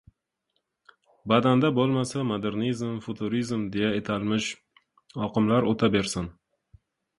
Badanda bo‘lmasa, modernizm, futurizm, deya etalmish oqimlar o‘ta bersin!